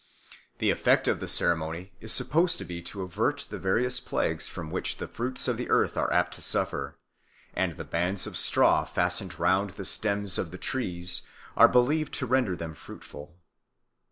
The effect of the ceremony is supposed to be to avert the various plagues from which the fruits of the earth are apt to suffer; and the bands of straw fastened round the stems of the trees are believed to render them fruitful.